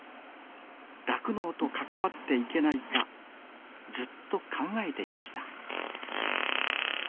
酪農と関わっていけないかずっと考えていました